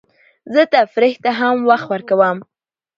زه تفریح ته هم وخت ورکوم.